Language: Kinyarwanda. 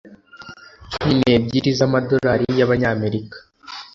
Cumi n ebyiri z amadolari y abanyamerika